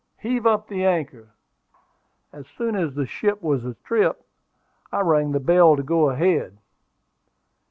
Heave up the anchor." As soon as the anchor was atrip, I rang the bell to go ahead.